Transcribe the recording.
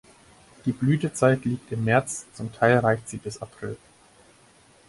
Die Blütezeit liegt im März, zum Teil reicht sie bis April.